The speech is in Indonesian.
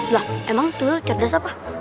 lah emang tuh cerdas apa